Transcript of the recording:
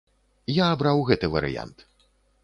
Я абраў гэты варыянт.